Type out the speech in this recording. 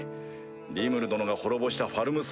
リムル殿が滅ぼしたファルムス